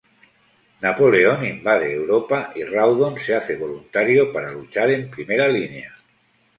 Napoleón invade Europa y Rawdon se hace voluntario para luchar en primera línea.